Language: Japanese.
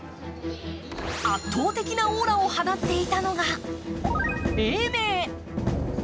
圧倒的なオーラを放っていたのが永明。